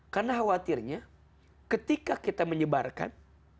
karena khawatirnya ketika kita menyebarkan